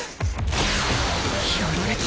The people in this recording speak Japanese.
やられた！